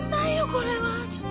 これは。